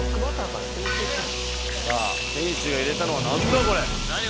さぁ店主が入れたのは何だこれ？